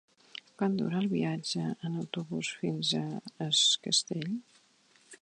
Quant dura el viatge en autobús fins a Es Castell?